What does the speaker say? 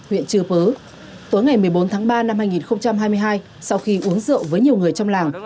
huyện chư pứ tối ngày một mươi bốn tháng ba năm hai nghìn hai mươi hai sau khi uống rượu với nhiều người trong làng